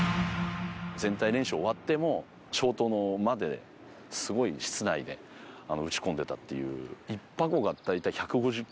全体練習終わっても、消灯まで、すごい室内で打ち込んでたっていう。